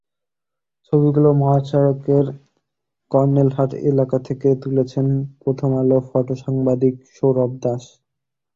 ছবিগুলো মহাসড়কের কর্নেলহাট এলাকা থেকে তুলেছেন প্রথম আলোর ফটো সাংবাদিক সৌরভ দাশ।